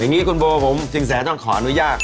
อย่างนี้คุณโบผมสินแสต้องขออนุญาต